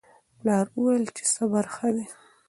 پلار وویل چې صبر ښه دی.